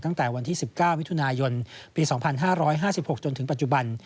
ตั้งแต่วันที่๑๙มิถุนายนปี๒๕๕๖จนถึงปัจจุบัน